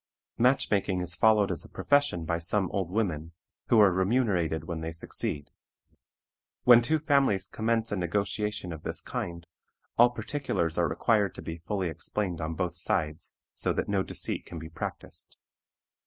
Matchmaking is followed as a profession by some old women, who are remunerated when they succeed. When two families commence a negotiation of this kind, all particulars are required to be fully explained on both sides, so that no deceit can be practiced.